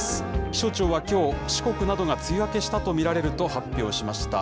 気象庁はきょう、四国などが梅雨明けしたと見られると発表しました。